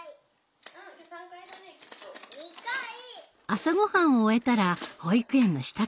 朝ごはんを終えたら保育園の支度。